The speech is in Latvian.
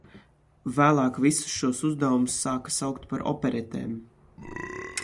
Vēlāk visus šos uzvedumus sāka saukt par operetēm.